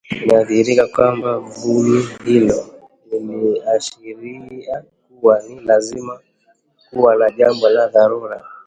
Inadhihirika kwamba vumi hilo liliashiria kuwa ni lazima kuwe na jambo la dharura